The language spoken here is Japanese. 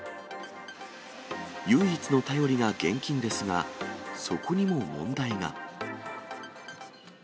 唯一の頼りが現金ですが、そこにも問題が。